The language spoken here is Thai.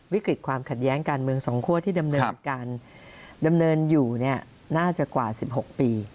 วิกฤตความขัดแย้งการเมืองสองคั่วที่ดำเนินการดำเนินอยู่น่าจะกว่า๑๖ปี